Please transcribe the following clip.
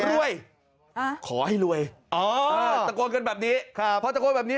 รวยขอให้รวยอ๋อตะโกนกันแบบนี้ครับพอตะโกนแบบนี้